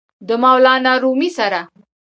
د مولانا رومي سره!!!